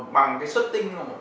bằng cái suất tinh